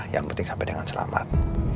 yang penting sampai dengan selamat